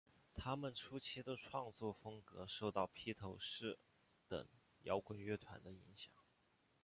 她们初期的创作风格受到披头四等摇滚乐团的影响。